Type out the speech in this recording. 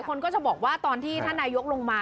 เข้าใจกันไหม